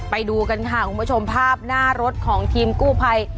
ไปดูกันค่ะคุณผู้ชมภาพหน้ารถของทีมกู้ภัย